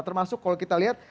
termasuk kalau kita lihat